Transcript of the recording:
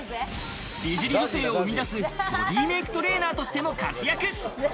美尻女性を生み出すボディメイクトレーナーとしても活躍。